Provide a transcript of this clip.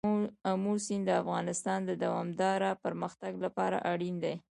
آمو سیند د افغانستان د دوامداره پرمختګ لپاره اړین دي.